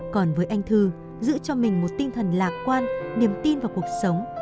còn với anh thư giữ cho mình một tinh thần lạc quan niềm tin vào cuộc sống